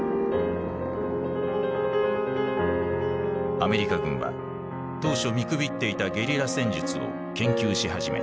アメリカ軍は当初見くびっていたゲリラ戦術を研究し始めた。